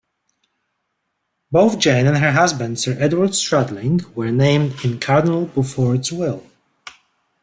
Both Jane and her husband, Sir Edward Stradling, were named in Cardinal Beaufort's will.